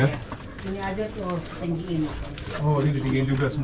iya ini aja tuh tinggiinin semua